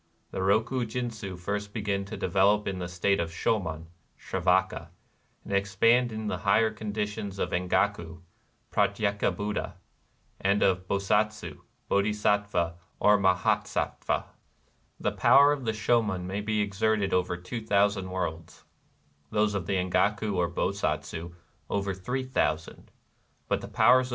The Roku jindzii first begin to develop in the state of Shomon (Sravaka), and ex pand in the higher conditions of Engaku (Pratyeka Buddha) and of Bosatsu (Bodhi sattva or Mahasattva). The powers of the Shomon may be exerted over two thousand worlds ; those of the Engaku or Bosatsu, over three thousand ;— but the powers of Buddha hood extend over the total cosmos.